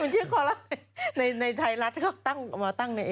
มันชื่อคอลัมป์ในในไทยรัฐเขาตั้งมาตั้งในเอง